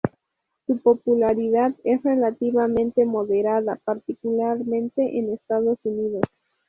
Su popularidad es relativamente moderada, particularmente en Estados Unidos.